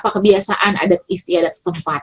kebiasaan adat istiadat setempat